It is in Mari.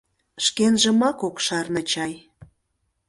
— Шкенжымак от шарне чай?